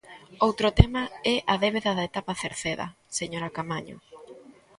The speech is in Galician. Outro tema é a débeda da etapa Cerceda, señora Caamaño.